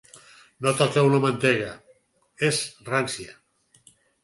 No toqueu la mantega. És rància!